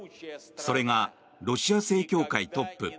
それがロシア正教会トップ